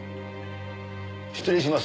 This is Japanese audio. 失礼します。